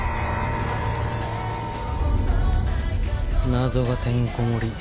謎がてんこ盛り。